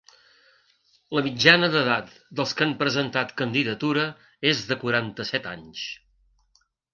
La mitjana d’edat dels que han presentat candidatura és de quaranta-set anys.